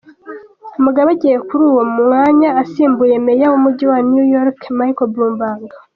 Mugabe agiye kuri uwo mwanya asimbuye Meya w’Umujyi wa New York, Michael Bloomberg.